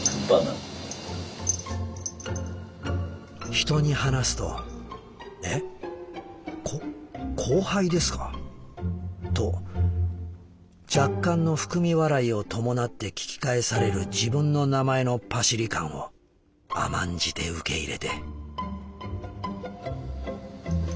「人に話すと『え？こ後輩ですか？』と若干の含み笑いを伴って聞き返される自分の名前のパシリ感を甘んじて受け入れて」。